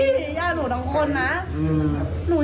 เพราะว่าปัญหาส่วนตัวอะไรกับเขาไม่มี